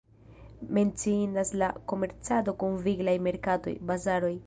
Menciindas la komercado kun viglaj merkatoj, bazaroj.